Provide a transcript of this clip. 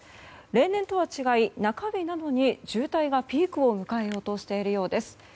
例年とは違い、中日なのに渋滞がピークを迎えようとしているようです。